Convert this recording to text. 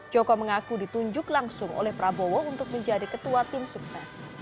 joko mengaku ditunjuk langsung oleh prabowo untuk menjadi ketua tim sukses